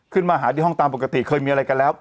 ขึ้นมาหาที่ห้องตามปกติเคยมีอะไรกันแล้ว